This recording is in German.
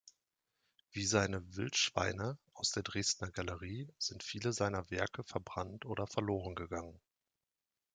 Wie seine „Wildschweine“ aus der Dresdner Galerie sind viele seiner Werke verbrannt oder verlorengegangen.